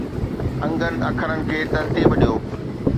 انگن اکرن کي ترتيب ڏيو